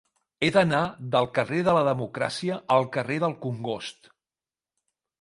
He d'anar del carrer de la Democràcia al carrer del Congost.